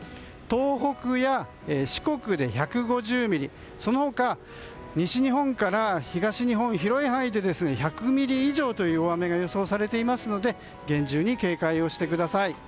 東北や四国で１５０ミリその他、西日本から東日本広い範囲で１００ミリ以上という大雨が予想されているので厳重に警戒をしてください。